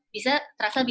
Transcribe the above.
bisa mencoba untuk mencoba